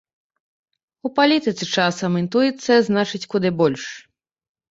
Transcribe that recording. У палітыцы часам інтуіцыя значыць куды больш.